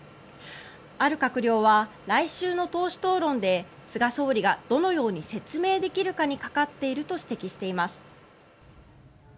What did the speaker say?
ある閣僚は来週の党首討論で菅総理がどのように説明できるかにかかっていると指摘しています。